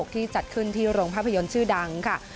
ที่จัดขึ้นที่โรงภาพยนตร์ชื่อดังค่ะ